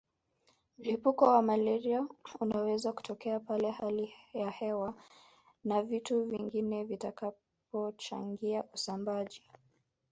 Mlipuko wa malaria unaweza kutokea pale hali ya hewa na vitu vingine vitakapochangia usambaaji